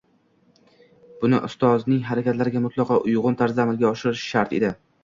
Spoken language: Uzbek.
Buni u ustozining harakatlariga mutlaqo uyg‘un tarzda amalga oshirishi shart edi.